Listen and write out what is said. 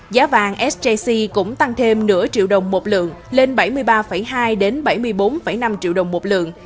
giá vàng sjc cũng tăng thêm nửa triệu đồng một lượng lên bảy mươi ba hai bảy mươi bốn năm triệu đồng một lượng